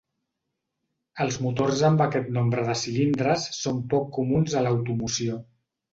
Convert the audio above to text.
Els motors amb aquest nombre de cilindres són poc comuns a l'automoció.